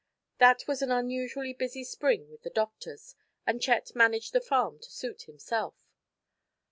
That was an unusually busy spring with the doctors, and Chet managed the farm to suit himself.